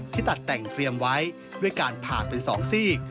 ตัดแต่งเตรียมไว้ด้วยการผ่าเป็น๒ซีก